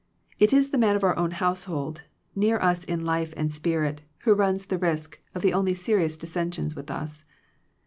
It is the man of our own household, near us in life and spirit, who runs the risk of the only serious dissensions with us.